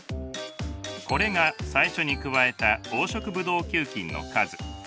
これが最初に加えた黄色ブドウ球菌の数。